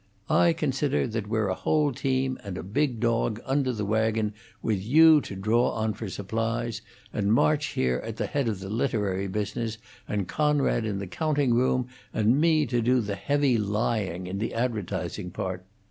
I consider that we're a whole team and big dog under the wagon with you to draw on for supplies, and March, here, at the head of the literary business, and Conrad in the counting room, and me to do the heavy lying in the advertising part.